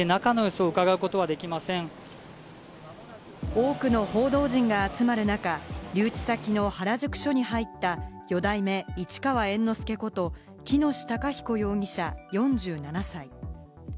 多くの報道陣が集まる中、留置先の原宿署に入った四代目市川猿之助こと喜熨斗孝彦容疑者、４７歳。